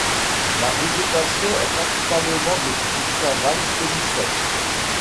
La végétation est principalement de type savane semi-sèche.